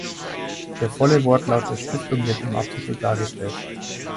Der volle Wortlaut der Stiftung wird im Artikel dargestellt.